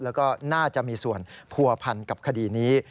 แล้วก็น่าจะมีส่วนผัวพันกับคดีนี้